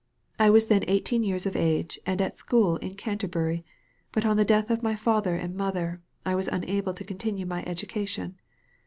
I was then eighteen years of age and at a school in Canterbury, but on the death of my father and mother I was unable to continue my education.